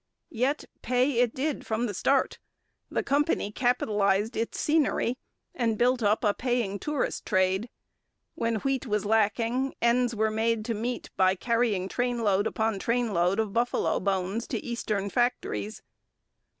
Yet pay it did from the start. The company capitalized its scenery, and built up a paying tourist trade. When wheat was lacking, ends were made to meet by carrying trainload upon trainload of buffalo bones to eastern factories.